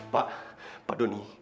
pak pak doni